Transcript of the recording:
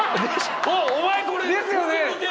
お前これ。ですよね！？